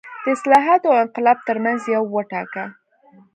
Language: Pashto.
د اصلاحاتو او انقلاب ترمنځ یو وټاکه.